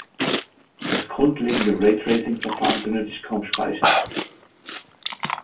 Das grundlegende Raytracing-Verfahren benötigt kaum Speicher.